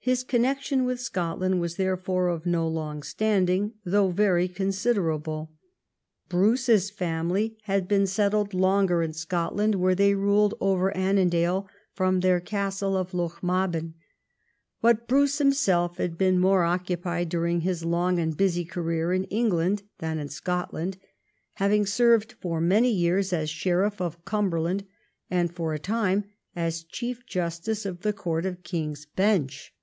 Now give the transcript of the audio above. His connection with Scot land was therefore of no long standing, though very considerable. Bruce's family had been settled longer in 172 EDWARD I chap. Scotland, where they ruled over Annandale from their castle of Lochmaben ; but Bruce himself had been more occupied during his long and busy career in England than in Scotland, having served for many years as Sheriff of Cumberland and for a time as Chief Justice of the Court of King's Bench.